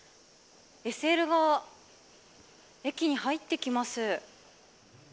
ＳＬが駅に入ってきます。